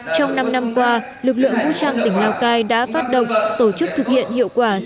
trong năm năm qua lực lượng vũ trang tỉnh lào cai đã phát động tổ chức thực hiện hiệu quả